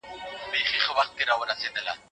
خصوصي سکتور د ټولنې لپاره ښه وسیله ده.